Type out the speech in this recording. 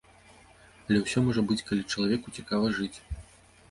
Але ўсё можа быць, калі чалавеку цікава жыць.